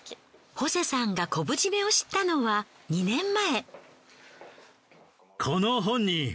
ホセさんが昆布締めを知ったのは２年前。